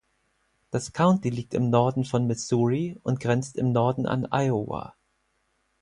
Das County liegt im Norden von Missouri und grenzt im Norden an Iowa.